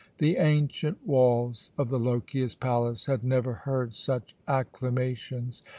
The ancient walls of the Lochias palace had never heard such acclamations.